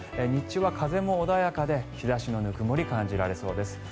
日中は風も穏やかで日差しのぬくもり感じられそうです。